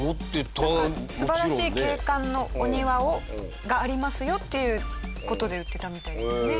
素晴らしい景観のお庭がありますよっていう事で売ってたみたいですね。